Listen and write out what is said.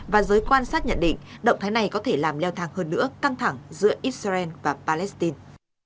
và giới quan sát nhận định động thái này có thể làm leo thang hơn nữa căng thẳng giữa israel và palestine